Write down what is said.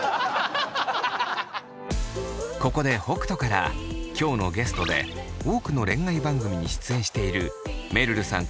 ここで北斗から今日のゲストで多くの恋愛番組に出演しているめるるさん